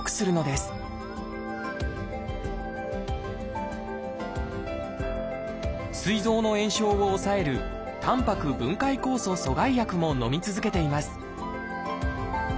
すい臓の炎症を抑える「たんぱく分解酵素阻害薬」ものみ続けています